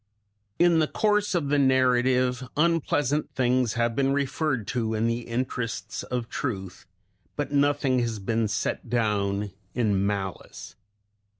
In the course of the narrative unpleasant things have been referred to in the interests of truth, but nothing has been set down in malice.